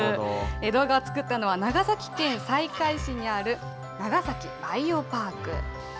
動画を作ったのは、長崎県西海市にある長崎バイオパーク。